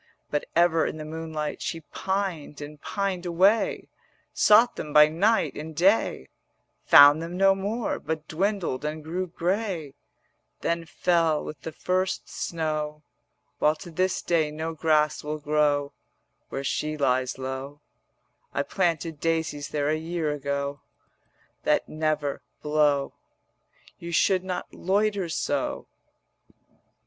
But ever in the noonlight She pined and pined away; Sought them by night and day, Found them no more, but dwindled and grew grey; Then fell with the first snow, While to this day no grass will grow Where she lies low: I planted daisies there a year ago 160 That never blow. You should not loiter so.'